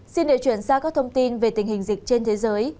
xin để chuyển sang các thông tin về tình hình dịch trên thế giới